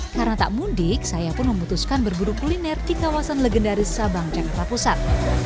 karena tak mudik saya pun memutuskan berburu kuliner di kawasan legendaris sabang jakarta pusat